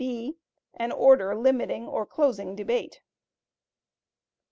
(b) An Order limiting or closing Debate.